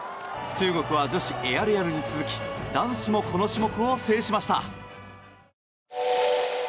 中国は女子エアリアルに続き男子も、この種目を制しました。